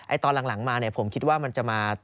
ตอนหลังมาเนี่ยผมคิดว่ามันจะมา